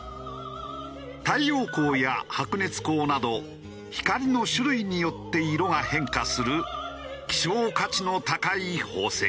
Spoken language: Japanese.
太陽光や白熱光など光の種類によって色が変化する希少価値の高い宝石。